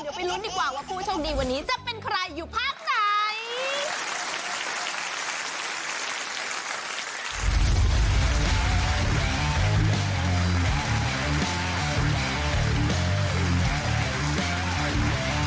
เดี๋ยวไปลุ้นดีกว่าว่าผู้โชคดีวันนี้จะเป็นใครอยู่ภาคไหน